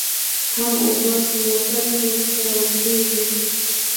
هم اوبه په مؤثره توکه کارول کېږي.